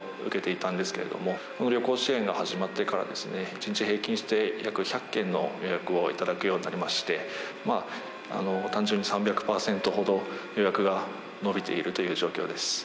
開始前は１日当たり大体３０組ほどの予約を受けていたんですけれども、旅行支援が始まってから１日平均して約１００件の予約を頂くようになりまして、単純に３００％ほど予約が伸びているという状況です。